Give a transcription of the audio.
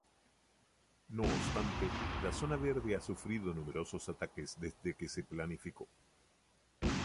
No obstante, la Zona Verde ha sufrido numerosos ataques desde que se planificó.